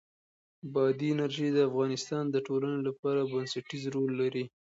بادي انرژي د افغانستان د ټولنې لپاره بنسټيز رول لري.